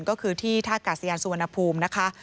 ก็คือที่ท่ากาศยานสุวรรณภูมินะคะ